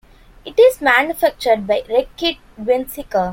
It is manufactured by Reckitt Benckiser.